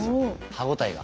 歯応えが。